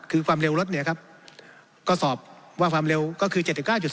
คือความเร็วรถเนี่ยครับก็สอบว่าความเร็วก็คือ๗๙